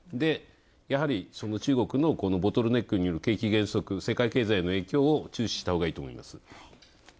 やはり中国のボトルネックによる景気減速、世界経済への影響を注視したほうがいいと思います。